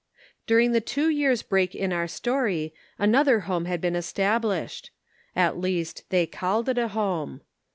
fURING the two years' break in our story another home had been estab lished ; at least, they called it a home.